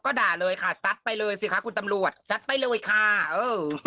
ก็ด่าเลยค่ะซัดไปเลยสิคะคุณตำรวจซัดไปเลยค่ะเออ